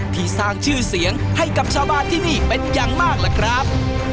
ที่สร้างชื่อเสียงให้กับชาวบ้านที่นี่เป็นอย่างมากล่ะครับ